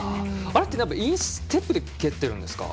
あれってインステップで蹴ってるんですか？